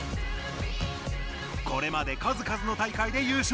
これまで数々の大会で優勝。